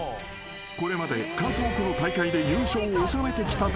［これまで数多くの大会で優勝を収めてきたという］